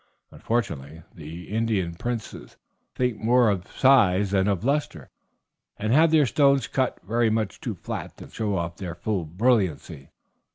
Unfortunately, the Indian princes think more of size than of lustre, and have their stones cut very much too flat to show off their full brilliancy.